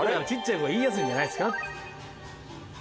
ちっちゃい子が言いやすいんじゃないですか？